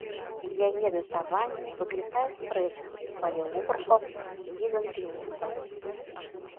Яе датаванне выклікае спрэчкі ў палеографаў-візантыністаў.